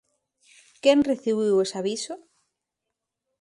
¿Quen recibiu ese aviso?